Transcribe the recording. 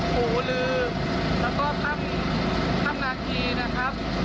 ผูหรือแล้วก็ข้ามที่ข้ามดาคีนะครับ